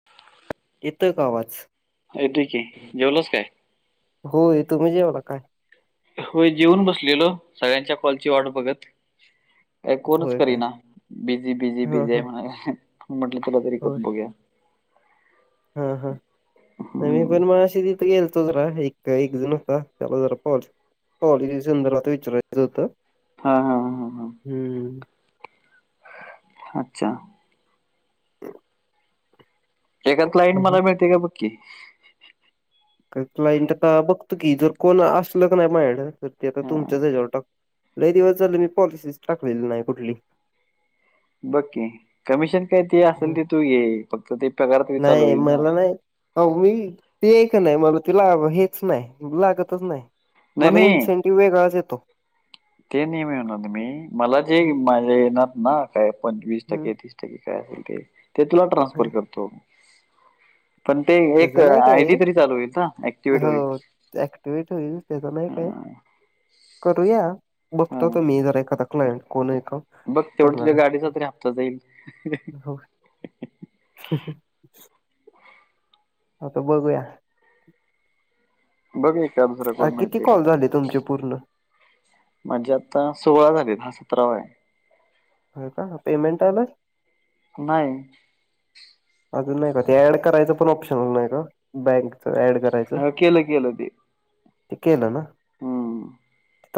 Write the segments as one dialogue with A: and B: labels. A: [unintelligible]
B: येतोय का आवाज?
A: येतोय कि जेवलास काय?
B: हो तुम्ही जेवला काय?
A: होय, जेऊन बसलेलो सगळ्यांच्या कॉलची वाट बघत. कोणच
B: होय काय
A: करीना, बिझी, बिझी,
B: हा
A: बिझी हाय
B: हा
A: म्हणाला. म्हटलं तुला तरी करून
B: होय
A: बघूया.
B: हा, हा नाही मी
A: हम्म.
B: पण मगाशी बी केलतो जरा, एक, एक जण होता. त्याला जरा कॉल पॉलिसी संदर्भात विचारायचं होतं.
A: हा, हा. हा
B: हम्म.
A: अच्छा. एका क्लाइंट मला मिळतय का बघ कि.
B: का, क्लायंट आता बघतो की, जर कोण असलं कनाय मायाकड तर ते आता
A: हा,
B: तुमच्याच हेच्यावर टाकतो. लही दिवस झाल मी पॉलिसीच टाकलेली नाही कुठली.
A: बघकी, कमिशन काय ते असेल
B: हं.
A: ते तू घे, फक्त ते पगारातरी चालू होईल ना.
B: हो, मी ते एक कनाय मला तिला हेच नाही लागतच नाही
A: नाही
B: मला
A: नाही
B: इन्सेंट ती वेगळाच येतो.
A: ते नाही म्हणालोय मी, मला जे माझे येणार ना काय पण वीस
B: हम्म
A: टक्के तीस टक्के. काय असेल ते, ते तुला ट्रान्सफर करतो. पण ते एक
B: त्याचं नाही
A: आयडी तरी चालू होईल ना ऍक्टिवेट होईल
B: ऍक्टिवट होईल त्याच नाही काय
A: हा,
B: करूया
A: हा.
B: बघतो तुम्ही जरा एखादा क्लायंट कोण आहे का
A: बघ तेवढं तुझ्या
B: करणार आहे.
A: गाडीचा तरी हप्ता जाईल
B: हम् ह आता बघूया
A: बघ एकान दुसर
B: आ
A: कोण
B: किती
A: मिळते का
B: कॉल झाले तुमचे पूर्ण
A: माझीआता सोळा झाले हा सतरावा आहे
B: होय कापेमेंट आलात
A: नाही
B: अजून नाही का ते ऍड करायचं पण ऑप्शन नाही का बँकच ऍड करायचं
A: हा, केलं केलं ते
B: ते केलं ना
A: हम्म.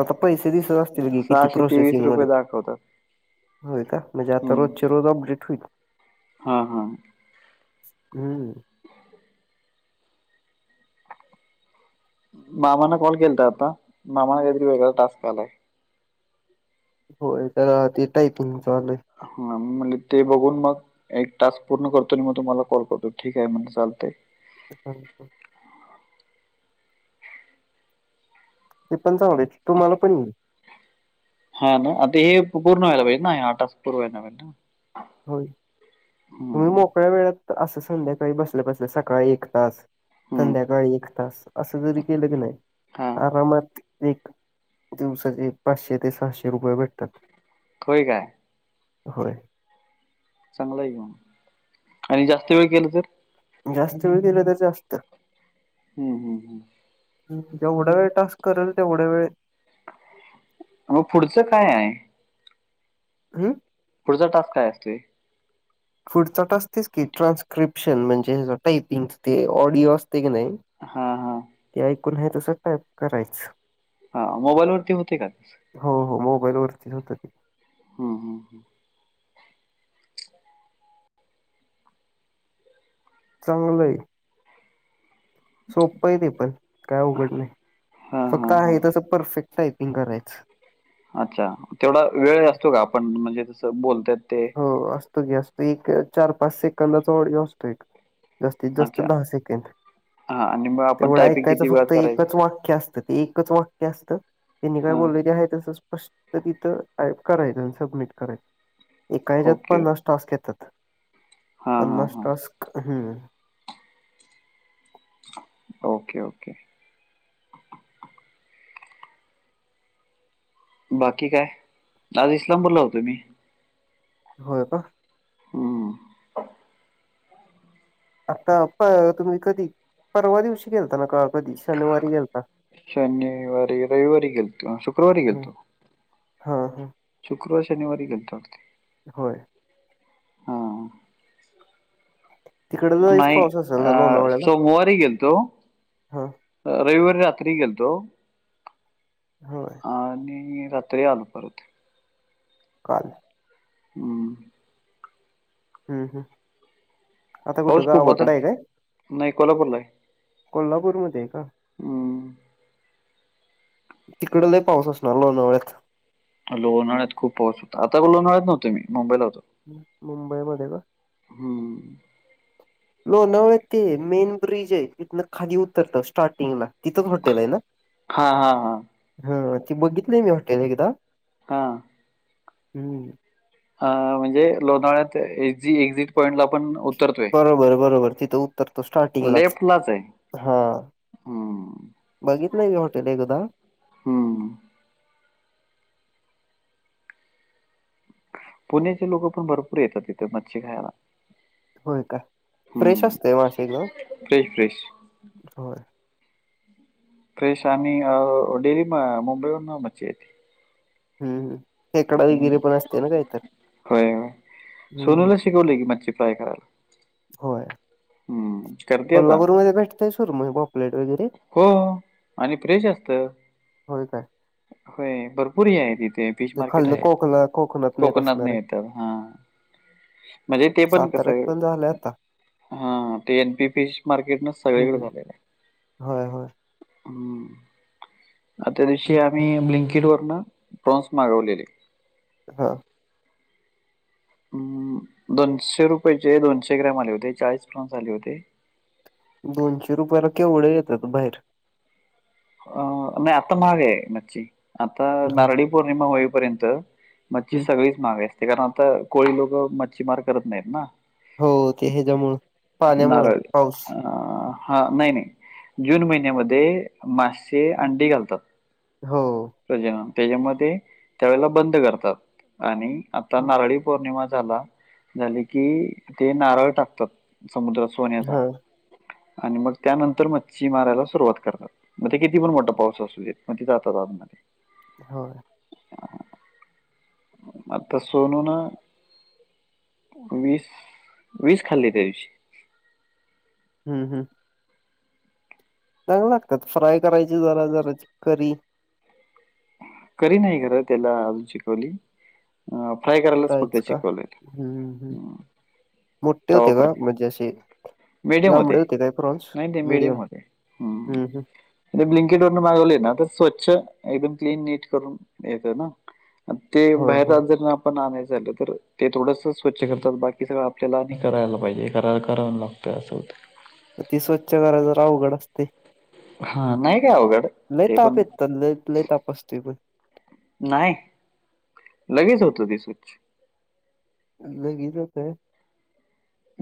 B: आता पैसे दिसत असतील की किती
A: सहाशे तेवीस
B: प्रोसेसिंग
A: रुपये
B: मध्येत
A: दाखवतात
B: होय का म्हणजे आता
A: हम्म.
B: रोजचे रोज अपडेट होईल
A: हा हा
B: हम्म
A: मामाना कॉल केलाता आता मामा वेगळं काहीतरी टास्क आलाय
B: होय का ते टायपिंगचा आलय
A: ह मामा म्हणले ते बघून मग एक टास्क पूर्ण करतो आणि मग तुम्हाला कॉल करतो ठीक आहे म्हणलं चालतय
B: [unintelligible] ते पण चांगलं तुम्हाला पण येईल
A: हा ना आता हे पूर्ण व्हायला पाहिजे ना हा टास्क पूर्ण व्हायला पाहिजे ना
B: होय तुम्ही
A: हम्म.
B: मोकळ्या वेळात असं संध्याकाळी बसल्या बसल्या सकाळी एक तास
A: हम्म.
B: संध्याकाळी एक तास असं जरी केलं की नाही
A: हा.
B: आरामात एक दिवसाचे पाचशे ते सहाशे रुपये भेटतात
A: होय काय
B: होय
A: चांगला आहे कि मग आणि जास्त वेळ केलं तर
B: जास्त वेळ केल तर जास्त
A: हम्म हम् हम्
B: जेवढा वेळ टास्क करेल तेवढा वेळ
A: वो पुढचं काय आहे
B: हम
A: पुढचा टास्क काय असतोय
B: पुढचा टास्क तेच की ट्रान्स्क्रिप्शन म्हणजे टायपिंग ते ऑडिओ असते की नय
A: हा हा
B: ते ऐकून हे तसंच टाईप करायच
A: हा मोबाईल वरती होते का तसं
B: हो हो मोबाईल वरती होतय ते
A: हम् हम
B: चांगलय सोपं आहे ते पण काय अवघड नाही
A: हां,
B: फक्त
A: हां,
B: आहे
A: हां.
B: तस परफेक्ट टायपिंग करायच
A: अच्छा तेवढा वेळ असतो का आपण म्हणजे तसं बोलत्यात
B: हो असतो की असत एक चार पाच सेकंदाचा ऑडिओ असतो एक. जास्तीत जास्त
A: अच्छा.
B: दहा सेकंड.
A: हां आणि मग आपण
B: तेवढं
A: टायपिंग
B: ऐकायचं
A: किती वेळात
B: फक्त
A: करायचं?
B: एकच वाक्य असतं ते एकच वा क्य असत त्यांनी काय
A: हां.
B: बोललेल ते हाय तसं स्पष्ट तिथं करायचं सबमिट करायचं एका ह्याच्यात
A: ओके.
B: पन्नास टास्क येतात,
A: हां, हां,
B: पन्नास
A: हां.
B: टास्क हम्म
A: ओके ओके. बाकी काय? आज इस्लामपूरला होतो मी.
B: होय का.
A: हम्म.
B: आता प तुम्ही कधी परवा दिवशी गेलता ना का कधी शनिवारी गेलता
A: शनिवारी रविवारी गेलतो, शुक्रवारी गेलतो.
B: हा हा.
A: शुक्रवार शनिवारी गेलतो [unintelligible]
B: होय.
A: हा
B: तिकडे लईच
A: नाही
B: पाऊस असेल ना
A: अ
B: लोणावळ्याला
A: सोमवारी गेलतो
B: हा
A: अह रविवारी रात्री गेलतो
B: होय.
A: आणि रात्री आलो परत.
B: काल
A: हम्म.
B: हम्म हम्म. आता
A: पाऊस
B: कुठं
A: खूप होता
B: गावाकड आहे काय?
A: नाही कोल्हापूरला आहे
B: कोल्हापूरमध्ये आहे का?
A: हम्म.
B: तिकड लय पाऊस असणार लोणावळ्यात!
A: लोणावळ्यात खूप पाऊस होता आता लोणावळ्यात नव्हतो मी मुंबईला होतो.
B: मुंबई मध्ये का?
A: हम्म.
B: लोणावळ्यात ते मेन ब्रिज आहे तिथन खाली उतरतं स्टार्टिंगला तिथच हॉटेल आहे ना.
A: हां, हां, हां.
B: हा ती बघितलय मी हॉटेल एकदा.
A: हा.
B: हम्म.
A: अ म्हणजे लोणाळ्यात एकझी एक्झिट पॉइंट ला पण उतरतोय.
B: बरोबर बरोबर तिथं उतरतो स्टार्टिंगलाच
A: लेफ्टलाच आहे.
B: हा.
A: हं,
B: बघितलंय मी हॉटेल एकदा
A: हम्म. पुण्याचे लोक पण भरपूर येतात तिथ मच्छी खायला.
B: होय का, फ्रेश
A: हं.
B: असते मासे एकदम.
A: Fresh, fresh.
B: होय.
A: फ्रेश आणि अह डेली मुंबईवरन मच्छी येते.
B: हम्म हम्म.
A: हम्म होय होय.
B: हम्म
A: सुरूला शिकवलय की मच्छी फ्राय करायला
B: होय,
A: हम्म. करते आता
B: कोल्हापूरमध्ये भेटतय सुरमई, पापलेट वगैरे?
A: हो आणि फ्रेश असत.
B: होय काय.
A: ह होय भरपूर हे आहे तिथे फिश
B: ते
A: मार्केट
B: खालन
A: आहे
B: कोकणा कोकणात नेत
A: कोकणातन
B: असणार आहे
A: येत, हा. म्हणजे ते पण
B: साताऱ्यात
A: कसंये?
B: पण झालंय आता
A: हा, ते एन पी फिश मार्केट न सगळीकडे
B: हम्म
A: झालेलं आहे.
B: होय होय.
A: हं, आ त्या दिवशी आम्ही ब्लिंकइट वरन प्रॉन्स मागवलेले.
B: ह,
A: अं, दोनशे रुपयाचे दोनशे ग्रॅम आले होते, चाळीस प्रॉन्स आले होते.
B: दोनशे रुपयाला केवढे येतात बाहेर.
A: अ नाही आता महाग आहे मच्छी. आता
B: ह
A: नारळी पौर्णिमा होईपर्यंत मच्छी
B: हम्म
A: सगळीच महाग असते. कारण आता कोळी लोक मच्छीमार करत नाहीत ना.
B: हो. ते हेच्यामुळं, पाण्यामुळं
A: नारळ
B: पाऊस.
A: अ हा. नाही नाही जून महिन्यामध्ये मासे अंडी घालतात.
B: हो.
A: प्रजनन, त्याच्यामुळे ते त्यावेळेला बंद करतात आणि आता नारळी पौर्णिमा झाला- झाली की, ते नारळ टाकतात समुद्रात सोन्याचा.
B: हा
A: आणि मग त्यानंतर मच्छी मारायला सुरुवात करतात. म ते किती पण मोठा पाऊस असू दे. म ते जातात आतमध्ये.
B: हो.
A: म आता सोनून वीस, वीस खाल्ली त्या दिवशी.
B: हं हं. चांग लागतात. फ्राय करायची जरा जरा ची करी
A: करी नाही खर त्याला अजून शिकवली. अ फ्राय करायला फक्त
B: फ्रायच का
A: शिकवले. अं
B: मोट्ठे होते का? म्हणजे असे लांबडे होते काय प्रॉन्स?
A: नाही ते मिडियम
B: मीडीयम,
A: होते हम्म.
B: हं हं.
A: ते ब्लिंकेटवरन मागवले ना तर स्वच्छ एकदम क्लीन नीट करून येतंना. म ते
B: होय होय
A: बाहेरन जर आप पण आणायचं झालं तर, ते थोडस स्वच्छ करतात बाकी सगळं आपल्याला आणि करायला पाहिजे. करा करा लाग त. अस होत.
B: म ती स्वच्छ करायच तर अवघड असतेय.
A: हा, नाही काय अवघड ते
B: ताप
A: पण.
B: येतात लय लय ताप असतोय पण
A: नाही. लगेच होत ते स्वच्छ.
B: अन लगीच होतय.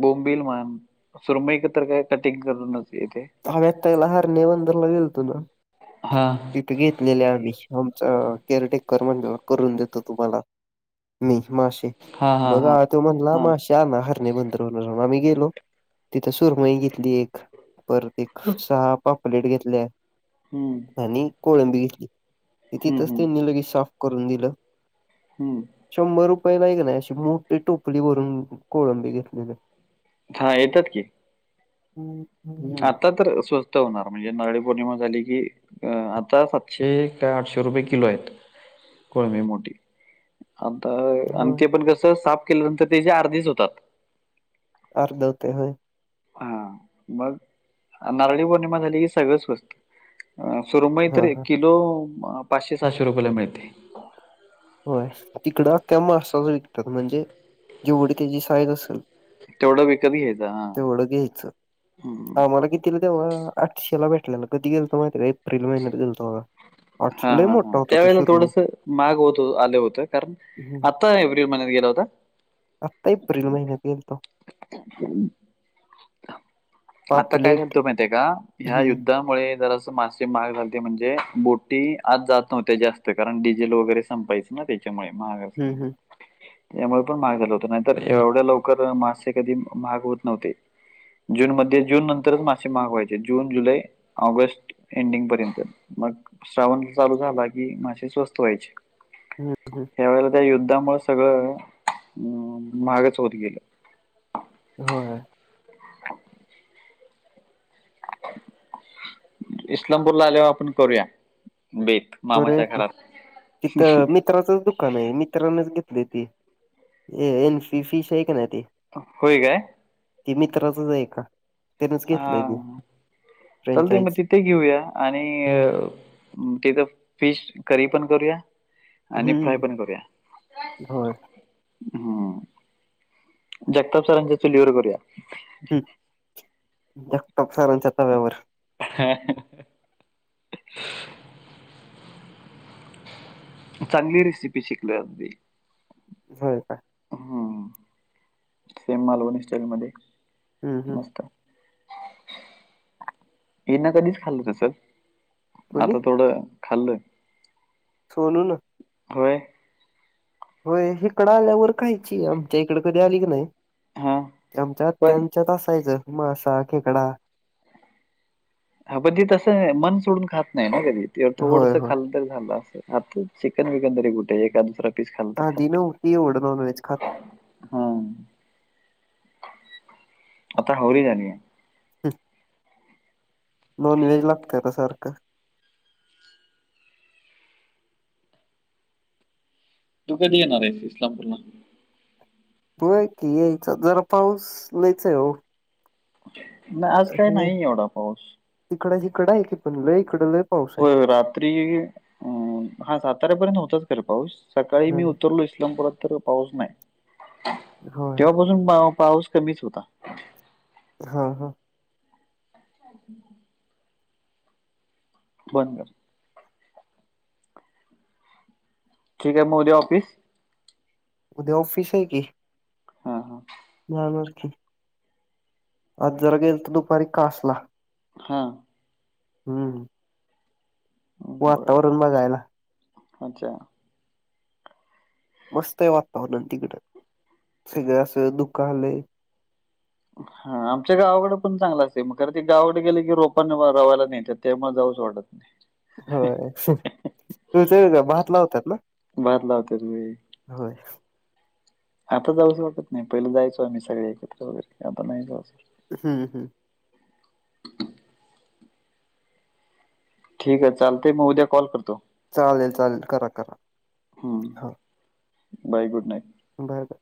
A: बोंबिल म्हण, सुरमईक तर काय कटिंग करूनच येते.
B: हव्यात पैला हरणे बंदरला गेलतो ना.
A: हा,
B: तिथं घेतलेले आम्ही, आमचा केअरटेकर म्हणी करून देतो तुम्हाला. मी मासे,
A: हा हा
B: मग अ
A: हा
B: त्यो म्हणला
A: हा
B: माशे ते आणा हरनी बंदरवरन. आम्ही गेलो तित सुरमई घेतली एक. परत एक- सहा पापलेट घेतल्या.
A: हं.
B: आणि कोळंबी घेतली. ती
A: हम्म
B: तिथच
A: हम्म
B: त्यांनी लगेच साफ करून दिलं.
A: हं.
B: शंभर रुपयेलाय क नाही अशी मोठी टोपली भरून कोळंबी घेतलेली.
A: हा येतात की.
B: हं,
A: आता तर स्व त होणार म्हणजे नारळी पौर्णिमा झाली की अ आता सातशे ते आठशे रुपये किलो आहेत. कोळमे मोठी. आता अन
B: होय
A: ते पण कसं साफ केल्यानंतर त्याच्या अर्धीच होतात.
B: अर्ध होते व्हय.
A: हा मग नारळी पौर्णिमा झाली की सगळंच स्वस्थ. अ सुरमई तर
B: हा
A: एक
B: हा
A: किलो पाचशे सहाशे रुपयला मिळते.
B: होय तिकडं अख्ख्या मासा विकतात म्हणजे जेवडी त्यांची साईज असल.
A: तेवढं विकत घ्यायं हा.
B: तेवढं द्यायचं. आम्हाला कितीला तेव्हा आठशेला भेटलेला. कधी गेलतो माहिती आहे का एप्रिल महिन्यात गेलतो बघा. आठ लय
A: हा-हा-हा
B: मोठा होता तो
A: त्यावेेळेला
B: सुरमई
A: थोडस माहाग होत आलं होते. कारण
B: हम्म.
A: आता एप्रिल महिन्यात गेला होता.
B: आत्ता एप्रिल महिन्यात गेलतो
A: [unintelligible] आता काय
B: पापलेट
A: झालतं माहिती आहे का ह्या
B: हम्म.
A: युद्धा मुळे जरासं मासे महाग झालंते म्हणजे बोटी आत जात नव्हत्या जास्त कारण डिजेल वगैरे संपायच. मग त्याच्यामुळे महाग
B: हम्म.
A: त्यामुळे पण महाग झालं होत नाहीतर एवढ्या लवकर मासे कधी महाग होत नव्हते. जून मध्ये जून नंतरच मासे महाग व्हयंचे जून, जुलै, ऑगस्ट एंडिंग पर्यंत मग श्रावण चालू झाला की मासे स्वस्त व्हायचे.
B: हम्म. हम्म.
A: ह्या वेळेला त्या युद्धा मुळ सगळं अं महागच होत गेलं.
B: व्हय.
A: [unintelligible] इस्लामपूरला आल्यावर आपण करूया बेत. मामाच्या घरात.
B: मित्राचच दुकान आहे मित्रानच घेतले ते ए एन फी फिश आहे की नाही ते.
A: होय काय?
B: ते मित्राचच आहे का त्यानेच
A: हा
B: घेतलंय की ते फ्रँचाइज.
A: ते घेऊया आणि अं तिथ फिश करी पण करूया. आणि फ्राय
B: हम्म.
A: पण करूया.
B: होय
A: हम्म जगताप सरांच्या चुलीवर करूया.
B: हम्मं जगताप सरांच्या तव्यावर.
A: [unintelligible] चांगली रेसिपी शिकलोय अगदी.
B: व्हय का?
A: हम्म सेम मालवणी स्टाईल मध्ये.
B: हम्म-हम्म.
A: ये ना कधीच खाल्लं नसल.
B: कोणी
A: आता थोड खाल्लं.
B: सोलून.
A: होय.
B: होय इकडं आल्यावर खायची आमच्या इकडे कधी आल की न्हाय
A: हा
B: की आमच्या आत्या
A: पण
B: त्यात असायचं मासा खेकडा.
A: हा प ते तसं आहे मन सोडून खात नाही ना कधी ते
B: होय
A: थोडस
B: होय
A: खाल्ल ते खाल्ल असेल मात्र चिकन विकन तरी कुठे एकाद दुसर.
B: आधी न्हवती एवढ नॉनव्हेज खात.
A: हं आता हावरी झालीय.
B: [inaudible] नॉन व्हेज लागतय आता सारख.
A: तू कधी येणार आहेस इस्लामपूरला?
B: होय की यायच जरा पाऊस लईच आहे हो.
A: नाही आज काय नाहीय एवढा पाऊस.
B: तिकडजिकडं आहे की पण लयी इकड लयी.
A: हो रात्री अं हा साताऱ्यापर्यंत नव्हताच खर पाऊस. सकाळी मी
B: ह
A: उतरलो इस्लामपुरात तर पाऊस नाही
B: होय
A: तेव्हा बाऊ पाऊस कमीच होता.
B: हा हा!
A: चार्जिंग नाहीय. [inaudible] ठीक आहे म उद्या ऑफिस?
B: उद्या ऑफिस आहे की.
A: हा हा!
B: जाणार की. आज जरा गेलतो तर दुपारी कांसला.
A: हा!
B: हूं!
A: बरं.
B: वातावरण बघायला.
A: अच्छा.
B: मस्तय हे वातावरण तिकड सगळ असं धुकं आलंय.
A: हं आमच्या गावाकडे पण चांगल असते मग खर ते गावाकडे गेले की रोपांने रवायला नत्यात त्यामुळे जाऊच वाटत [inaudible]
B: होय [unintelligible] भात लावत्यांत ना?
A: भात लावतात वेळी.
B: होय!
A: आता जाऊच वाटत नाही पहिलं जायचो आम्ही सगळे एकत्र वगैरे आता नाही जाऊ.
B: हूं हूं!
A: ठीक आहे चालतय म उद्या कॉल करतो!
B: चालेल चालेल करा करा
A: हं.
B: ह.
A: Bye good night.
B: Bye bye.